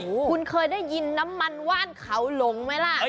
คุณเคยได้ยินน้ำมันว่านเขาหลงไหมล่ะ